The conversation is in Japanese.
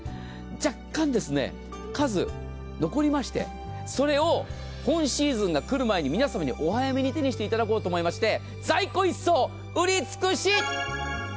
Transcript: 若干数、残りましてそれを本シーズンが来る前に皆様にお早めに手にしていただこうと思いまして在庫一掃、売り尽くし。